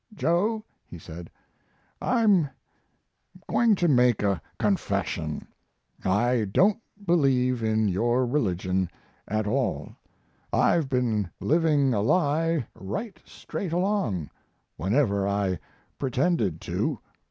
"Joe," he said, "I'm going to make a confession. I don't believe in your religion at all. I've been living a lie right straight along whenever I pretended to.